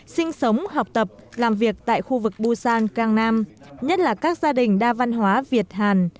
sinh sống học tập làm việc tại khu vực busan cang nam nhất là các gia đình đa văn hóa việt hàn